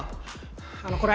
あのこれ！